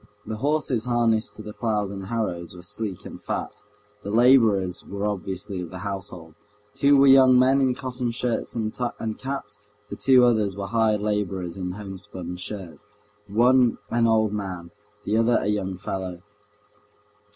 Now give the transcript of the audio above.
The horses harnessed to the ploughs and harrows were sleek and fat. The laborers were obviously of the household: two were young men in cotton shirts and caps, the two others were hired laborers in homespun shirts, one an old man, the other a young fellow.